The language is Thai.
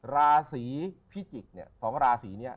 ราศรีพิจิกเนี่ยของราศรีเนี่ย